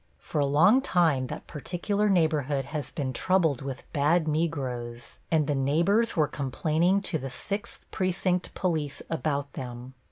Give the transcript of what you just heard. For a long time that particular neighborhood has been troubled with bad Negroes, and the neighbors were complaining to the Sixth Precinct police about them.